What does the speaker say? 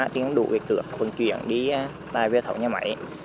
thì không đủ cửa phân chuyển đi tải về thầu nhà máy